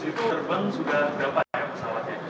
train sudah dapat ya pesawatnya